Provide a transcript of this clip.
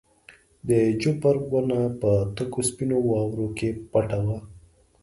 د جوپر ونه په تکو سپینو واورو کې پټه وه.